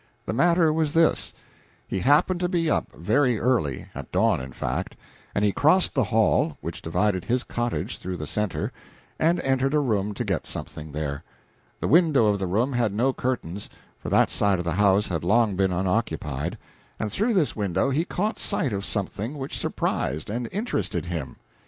The matter was this: He happened to be up very early at dawn, in fact; and he crossed the hall which divided his cottage through the center, and entered a room to get something there. The window of the room had no curtains, for that side of the house had long been unoccupied, and through this window he caught sight of something which surprised and interested him.